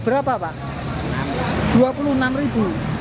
berapa pak rp dua puluh enam